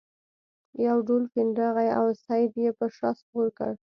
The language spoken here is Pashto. یو دولفین راغی او سید یې په شا سپور کړ.